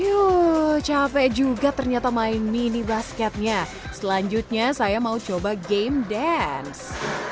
yuk capek juga ternyata main mini basketnya selanjutnya saya mau coba game dance